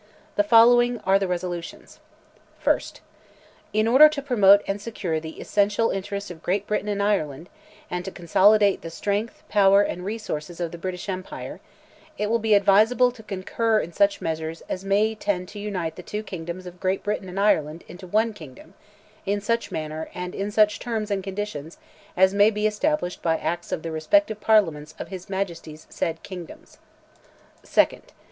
The following are the resolutions:— 1st. "In order to promote and secure the essential interests of Great Britain and Ireland, and to consolidate the strength, power, and resources of the British empire, it will be advisable to concur in such measures as may tend to unite the two kingdoms of Great Britain and Ireland into one kingdom, in such manner, and in such terms and conditions as may be established by acts of the respective Parliaments of his Majesty's said kingdoms. 2nd.